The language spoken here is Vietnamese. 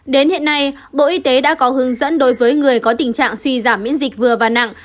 đến hiện nay bộ y tế đã có hướng dẫn đối với người có tình trạng suy giảm miễn dịch vừa và nặng